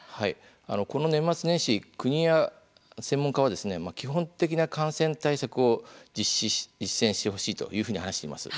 この年末年始国や専門家は基本的な感染対策を実践してほしいというふうに話しています。